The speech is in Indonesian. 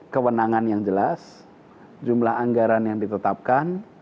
kewenangan yang jelas jumlah anggaran yang ditetapkan